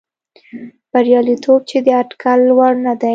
بریالیتوب یې د اټکل وړ نه دی.